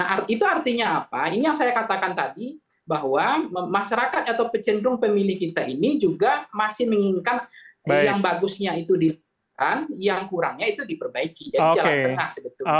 yang bagusnya itu dilakukan yang kurangnya itu diperbaiki jadi jalan tengah seperti itu okay berarti artinya semakin banyak bertuah maka maka masyarakat yang pelancong selalu nggak bisa menang maka ibu bapak saudara mengatakan bahwa ibu bapak saudara ini layak atau tidak layak dilancarkan misalnya dengan presiden tersebut